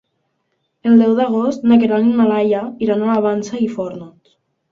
El deu d'agost na Queralt i na Laia iran a la Vansa i Fórnols.